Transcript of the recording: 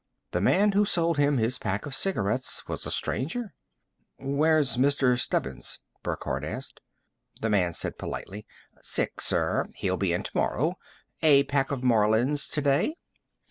The man who sold him his pack of cigarettes was a stranger. "Where's Mr. Stebbins?" Burckhardt asked. The man said politely, "Sick, sir. He'll be in tomorrow. A pack of Marlins today?"